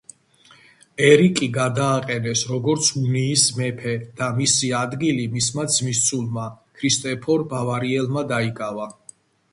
ერიკი გადააყენეს როგორც უნიის მეფე და მისი ადგილი მისმა ძმისწულმა ქრისტოფერ ბავარიელმა დაიკავა.